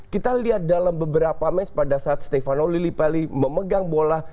kita lihat dalam beberapa match pada saat stefano lillipali memegang bola